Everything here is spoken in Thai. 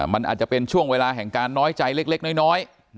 มันอาจจะเป็นช่วงเวลาแห่งการน้อยใจเล็กน้อย